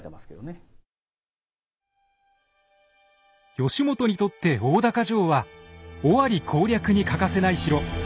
義元にとって大高城は尾張攻略に欠かせない城。